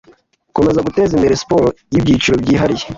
gukomeza guteza imbere siporo y'ibyiciro byihariye